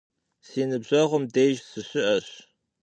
Si nıbjeğum dêjj sışı'eş.